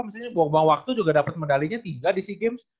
misalnya gue bang waktu juga dapat medalinya tiga di sea games